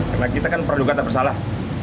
karena kita kan peradukan tak bersalah